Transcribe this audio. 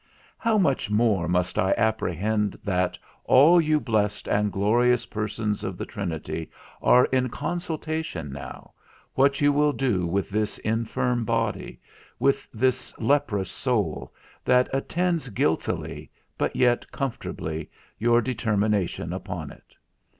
How much more must I apprehend that all you blessed and glorious persons of the Trinity are in consultation now, what you will do with this infirm body, with this leprous soul, that attends guiltily, but yet comfortably, your determination upon it.